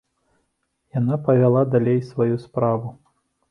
Яна павяла далей сваю справу.